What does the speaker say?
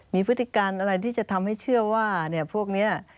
มีพฤติการอะไรที่จะทำให้เชื่อว่าพวกนี้